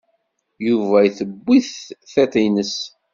Yuba tewwi-t tiṭ-nnes.